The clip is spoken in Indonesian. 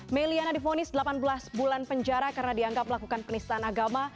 meliana difonis delapan belas bulan penjara karena dianggap melakukan penistaan agama